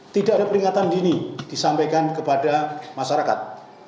tidak ada peringatan dini disampaikan kepada masyarakat